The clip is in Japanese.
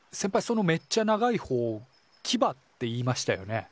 そのめっちゃ長いほうキバって言いましたよね。